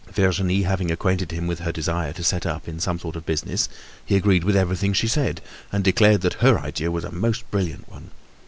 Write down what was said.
Virginie having acquainted him with her desire to set up in some sort of business, he agreed with everything she said, and declared that her idea was a most brilliant one.